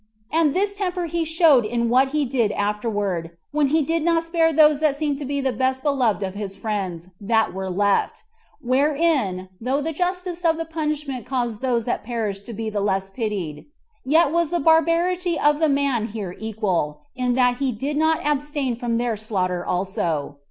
And this temper he showed in what he did afterward, when he did not spare those that seemed to be the best beloved of his friends that were left, wherein, though the justice of the punishment caused those that perished to be the less pitied, yet was the barbarity of the man here equal, in that he did not abstain from their slaughter also.